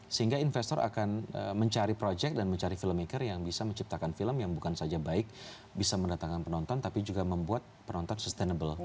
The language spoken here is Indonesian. sehingga investor akan mencari project dan mencari filmmaker yang bisa menciptakan film yang bukan saja baik bisa mendatangkan penonton tapi juga membuat penonton sustainable